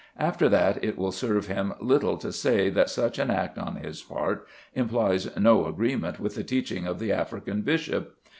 After that it will serve him little to say that such an act on his part implies no agreement with the teaching of the African bishop.